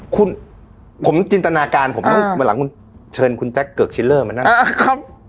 คุณผมจินตนาการผมอ่าวันหลังคุณเชิญคุณแจ็คเกิร์กชิลเลอร์มานั่งอ่าครับ